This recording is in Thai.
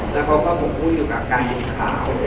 แล้วเขาก็พูดอยู่กับการยุ่งข่าว